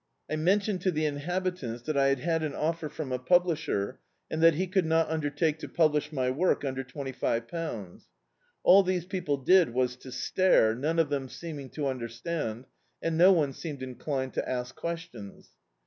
I mentioned to the in habitants that I had had an offer from a publisher, and that he could not undertake to publish my work under twenty five pounds. All these people did was to stare, none of them seeming to understand, and no one seemed inclined to ask questions.